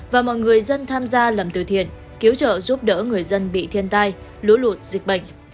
và mọi người dân tham gia lầm từ thiện cứu trợ giúp đỡ người dân bị thiên tai lũ lụt dịch bệnh